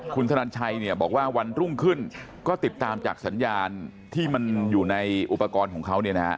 คุณธนันชัยเนี่ยบอกว่าวันรุ่งขึ้นก็ติดตามจากสัญญาณที่มันอยู่ในอุปกรณ์ของเขา